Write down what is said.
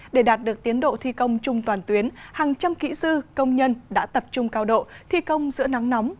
để đạt được tiến độ thi công chung toàn tuyến hàng trăm kỹ sư công nhân đã tập trung cao độ thi công giữa nắng nóng